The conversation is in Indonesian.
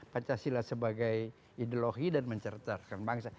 pancasila sebagai ideologi dan mencerdarkan bangsa